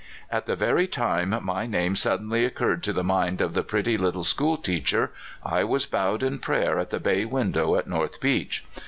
At the very time my name suddenly occurred to the mind of the pretty little school teacher I was bowed in prayer in the bay window at North Beach.